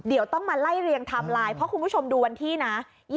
เดี๋ยวต้องมาไล่เรียงไทม์ไลน์เพราะคุณผู้ชมดูวันที่นะ